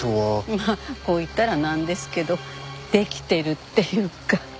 まあこう言ったらなんですけどデキてるっていうか。